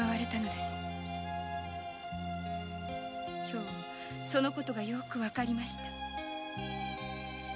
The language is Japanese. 今日はその事がよく分かりました。